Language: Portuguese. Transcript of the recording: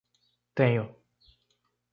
Tenho